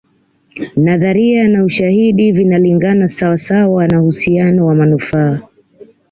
Nadharia na ushahidi vinalingana sawa sawa na uhusiano wa manufaa